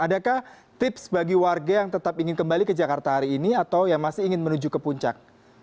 adakah tips bagi warga yang tetap ingin kembali ke jakarta hari ini atau yang masih ingin menuju ke puncak